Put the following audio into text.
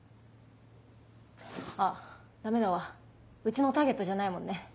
あっダメだわうちのターゲットじゃないもんね。